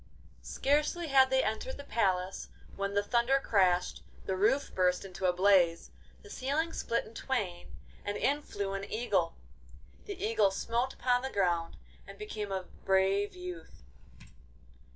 Scarcely had they entered the palace when the thunder crashed, the roof burst into a blaze, the ceiling split in twain, and in flew an eagle. The Eagle smote upon the ground and became a brave youth.